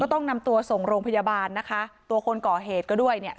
ต้องนำตัวส่งโรงพยาบาลนะคะตัวคนก่อเหตุก็ด้วยเนี่ย